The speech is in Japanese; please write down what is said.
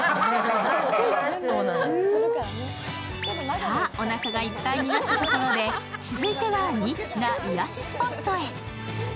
さぁ、おなかがいっぱいになったところで、続いてはニッチな癒やしスポットへ。